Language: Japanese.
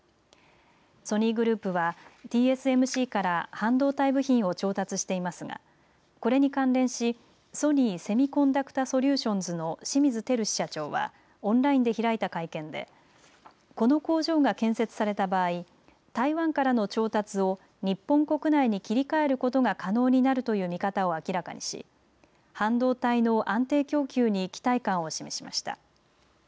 ソニーグループは、ＴＳＭＣから半導体部品を調達していますがこれに関連しソニーセミコンダクタソリューションズの清水照士社長はオンラインで開いた会見でこの工場が建設された場合台湾からの調達を日本国内に切り替えることが可能になるという見方を明らかにし半導体の安定供給に期待感を示しました。